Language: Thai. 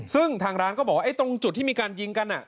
ซึ่งทางร้านก็บอกว่าตรงจุดที่มีการยิงกัน